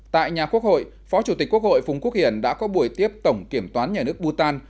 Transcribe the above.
tại nhà quốc hội phó chủ tịch quốc hội phùng quốc hiển đã có buổi tiếp tổng kiểm toán nhà nước bhutan